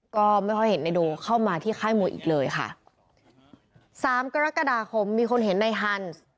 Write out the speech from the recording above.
ก็ไม่ค่อยเห็นในโดเข้ามาที่ค่ายมวยอีกเลยค่ะสามกรกฎาคมมีคนเห็นในฮันส์